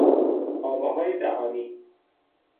آواهای دهانی